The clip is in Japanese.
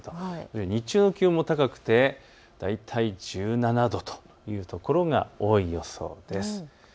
日中も気温が高くて大体１７度というところが多い予想です。